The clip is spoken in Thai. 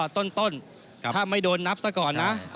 ต้นถ้าไม่โดนนับซะก่อนนะ